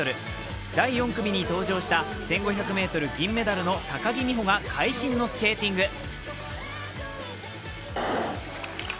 第４組に登場した１５００ｍ銀メダルの高木美帆が会心のスケーティング。